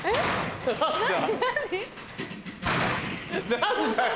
何だよ。